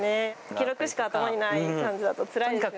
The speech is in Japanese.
記録しか頭にない感じだとつらいですよね。